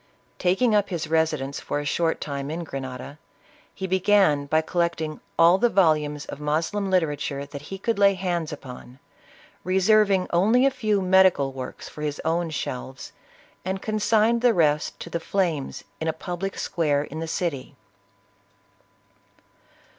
Taking up his residence for a short time in Grenada, he began by collecting all the volumes of Moslem literature that he could lay hands upon, reserving only a few medical works for his own shelves, and consigned the rest to the flames in a public square in the city.